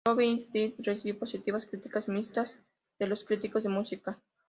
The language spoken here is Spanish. Love Is Dead recibió positivas críticas mixtas de los críticos de música.